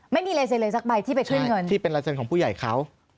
ไม่มีลายเซ็นเลยสักใบที่ไปขึ้นเงินที่เป็นลายเซ็นของผู้ใหญ่เขา